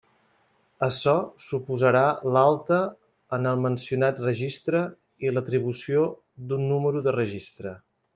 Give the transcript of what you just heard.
Açò suposarà l'alta en el mencionat registre i l'atribució d'un número de registre.